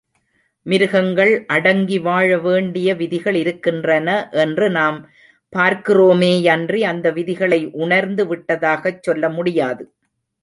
மிருகங்கள் அடங்கி வாழவேண்டிய விதிகள் இருக்கின்றன என்று நாம் பார்க்கிறோமேயன்றி, அந்த விதிகளை உணர்ந்து விட்டதாகச் சொல்ல முடியாது.